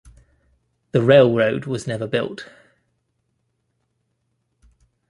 The railroad was never built.